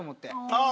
ああ。